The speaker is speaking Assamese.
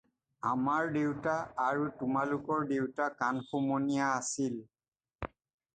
আমাৰ দেউতা আৰু তোমালোকৰ দেউতা কাণ-সমনীয়া আছিল।